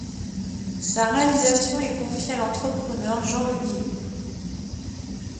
Sa réalisation est confiée à l'entrepreneur Jean Le Guillou.